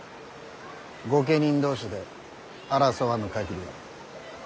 御家人同士で争わぬ限りは。